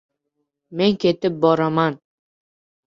Men ketib boraman